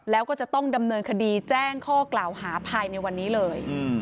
แล้วก็จะต้องดำเนินคดีแจ้งข้อกล่าวหาภายในวันนี้เลย